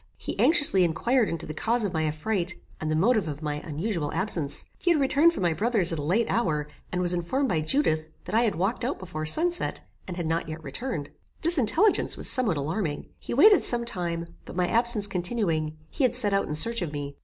He anxiously inquired into the cause of my affright, and the motive of my unusual absence. He had returned from my brother's at a late hour, and was informed by Judith, that I had walked out before sun set, and had not yet returned. This intelligence was somewhat alarming. He waited some time; but, my absence continuing, he had set out in search of me.